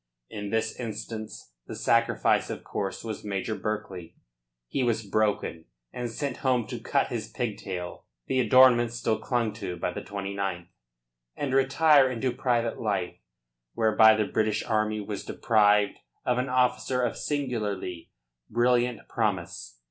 In this instance the sacrifice, of course, was Major Berkeley. He was broken and sent home to cut his pigtail (the adornment still clung to by the 29th) and retire into private life, whereby the British army was deprived of an officer of singularly brilliant promise.